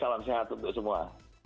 salam sehat untuk semua